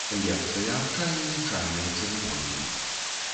Лекцыя аб чаі і чайнай цырымоніі.